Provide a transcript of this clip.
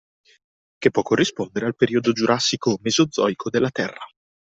Che può corrispondere al periodo giurasico o mesozoico della Terra